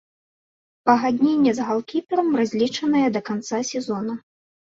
Пагадненне з галкіперам разлічанае да канца сезона.